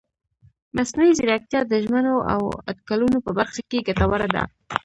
مصنوعي ځیرکتیا د ژمنو او اټکلونو په برخه کې ګټوره ده.